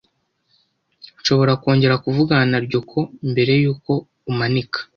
Nshobora kongera kuvugana na Ryoko mbere yuko umanika?